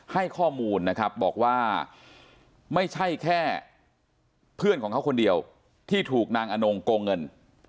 ให้ข้อมูลนะครับบอกว่าไม่ใช่แค่เพื่อนของเขาคนเดียวที่ถูกนางอนงโกงเงิน